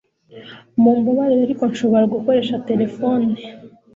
Mumbabarire ariko nshobora gukoresha terefone